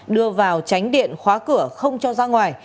đưa vào tránh điện khóa cửa không cho ra ngoài